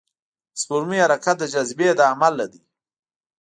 د سپوږمۍ حرکت د جاذبې له امله دی.